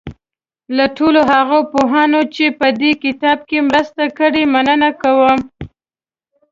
له ټولو هغو پوهانو چې په دې کتاب کې مرسته کړې مننه کوم.